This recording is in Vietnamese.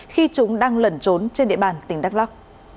khi chúng đang lẩn trốn trên địa bàn tỉnh đắk lắc